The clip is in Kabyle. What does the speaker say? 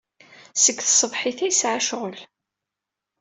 Seg tṣebḥit ay yesɛa ccɣel.